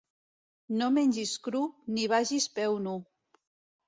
No mengis cru, ni vagis peu nu.